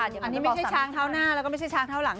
อันนี้ไม่ใช่ช้างเท้าหน้าแล้วก็ไม่ใช่ช้างเท้าหลัง